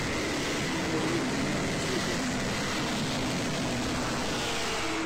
Ayen ay d-tenna d tidet.